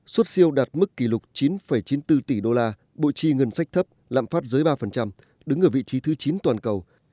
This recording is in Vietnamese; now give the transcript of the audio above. xuất siêu đạt mức kỷ lục chín chín mươi bốn tỷ đô la bộ chi ngân sách thấp lạm phát dưới ba đứng ở vị trí thứ chín toàn cầu